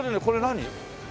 何？